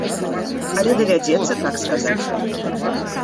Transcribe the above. Але давядзецца так сказаць.